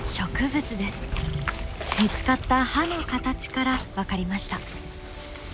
見つかった歯の形から分かりました。